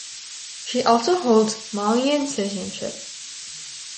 She also holds Malian citizenship.